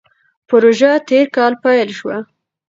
پروژه تېر کال پیل شوه.